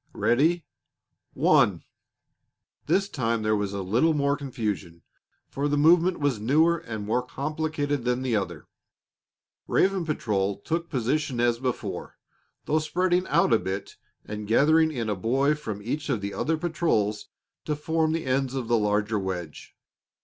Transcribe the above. Ready? One!" This time there was a little more confusion, for the movement was newer and more complicated than the other. Raven patrol took position as before, though spreading out a bit and gathering in a boy from each of the other patrols to form the ends of the larger wedge.